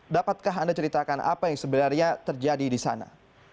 dapatkah anda ceritakan apa yang sebenarnya terjadi di sana